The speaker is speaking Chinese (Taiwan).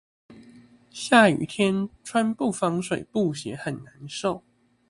下雨天穿不防水布鞋很難受